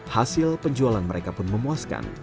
hasil penjualan mereka pun memuaskan